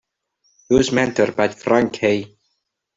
He was mentored by Frank A.